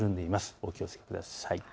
お気をつけください。